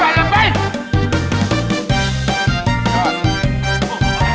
ได้ครับผมวิธีพลัง